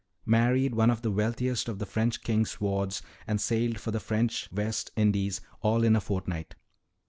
"Married one of the wealthiest of the French king's wards and sailed for the French West Indies all in a fortnight.